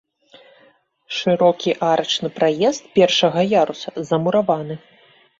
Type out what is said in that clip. Шырокі арачны праезд першага яруса замураваны.